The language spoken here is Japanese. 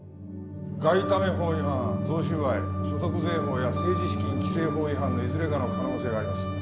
外為法違反贈収賄所得税法や政治資金規正法違反のいずれかの可能性があります。